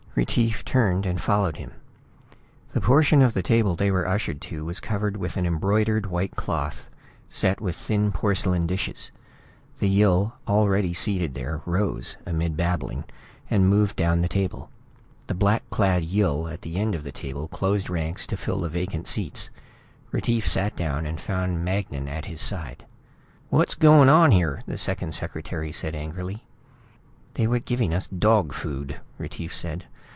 Retief turned and followed him. The portion of the table they were ushered to was covered with an embroidered white cloth, set with thin porcelain dishes. The Yill already seated there rose, amid babbling, and moved down the table. The black clad Yill at the end table closed ranks to fill the vacant seats. Retief sat down and found Magnan at his side. "What's going on here?" the second secretary said angrily. "They were giving us dog food," Retief said.